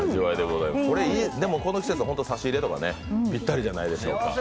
この季節、差し入れとかぴったりじゃないでしょうか。